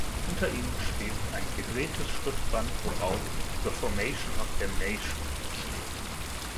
Unter ihnen schwebt ein gedrehtes Schriftband, worauf „The Formation of Damnation“ steht.